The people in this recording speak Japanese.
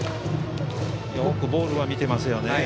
よくボールを見てますよね。